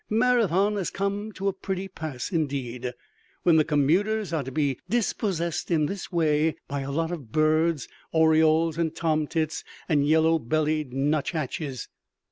Marathon has come to a pretty pass, indeed, when the commuters are to be dispossessed in this way by a lot of birds, orioles and tomtits and yellow bellied nuthatches.